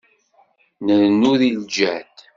Nrennu di lǧehd.